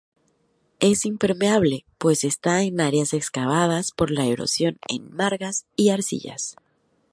Es impermeable, pues está en áreas excavadas por la erosión en margas y arcillas.